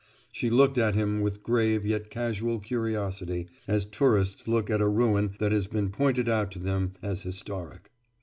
She looked at him with grave yet casual curiosity, as tourists look at a ruin that has been pointed out to them as historic.